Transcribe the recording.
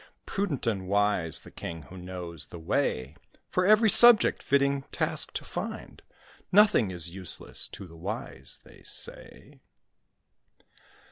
Prudent and wise the King who knows the way For every subject fitting task to find. Nothing is useless to the wise, they say.